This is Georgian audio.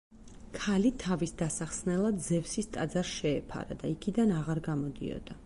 ქალი თავის დასახსნელად ზევსის ტაძარს შეეფარა და იქიდან აღარ გამოდიოდა.